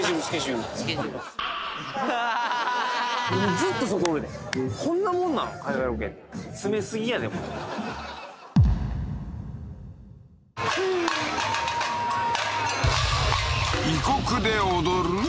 ずっと外おるでこんなもんなの？海外ロケ詰めすぎやで異国で踊る？